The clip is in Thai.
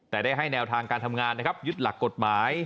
แต่ได้ให้แนวทางการทำงานนะครับยึดหลักกฎหมาย